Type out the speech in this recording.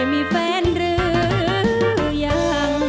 มีแฟนรึยัง